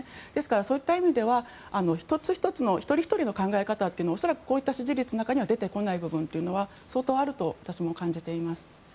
そういった意味では一人ひとりの考え方は恐らくこういった支持率の中に出てこない部分は相当あると私は感じています。